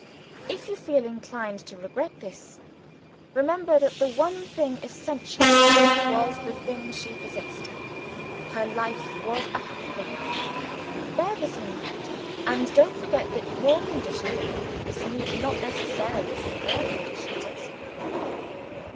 If you feel inclined to regret this, remember that the one thing essential was the thing she possessed. Her life was a happy one. Bear this in mind and don't forget that your conditions of happiness need not necessarily be her conditions also.